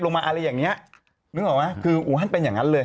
มาอะไรอย่างเงี้ยนึกออกไหมคืออูฮันเป็นอย่างนั้นเลย